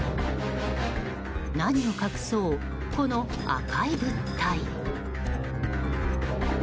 何を隠そう、この赤い物体。